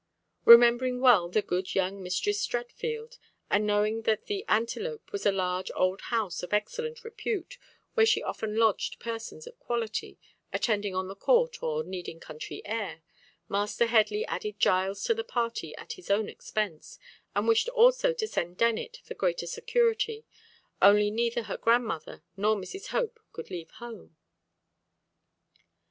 Remembering well the good young Mistress Streatfield, and knowing that the Antelope was a large old house of excellent repute, where she often lodged persons of quality attending on the court or needing country air, Master Headley added Giles to the party at his own expense, and wished also to send Dennet for greater security, only neither her grandmother nor Mrs. Hope could leave home.